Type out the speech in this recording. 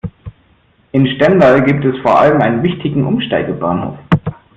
In Stendal gibt es vor allem einen wichtigen Umsteigebahnhof.